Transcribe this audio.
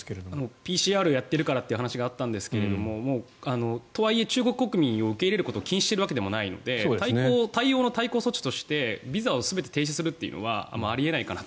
ＰＣＲをやってるからって話があったんですがとはいえ、中国国民を受け入れることを禁止しているわけでもないので対応の対抗措置としてビザを全て停止するというのはあり得ないかなと。